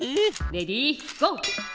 レディーゴー！